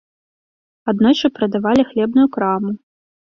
Аднойчы прадавалі хлебную краму.